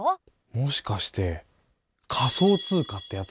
もしかして仮想通貨ってやつ？